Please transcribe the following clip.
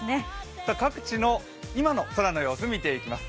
各地の今の空の様子、見ていきます。